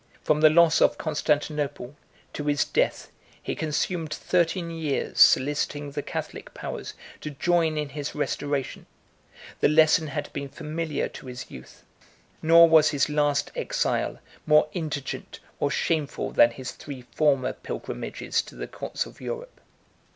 From the loss of Constantinople to his death, he consumed thirteen years, soliciting the Catholic powers to join in his restoration: the lesson had been familiar to his youth; nor was his last exile more indigent or shameful than his three former pilgrimages to the courts of Europe.